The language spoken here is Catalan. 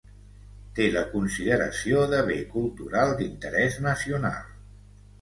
Té la consideració de Bé Cultural d'Interès Nacional.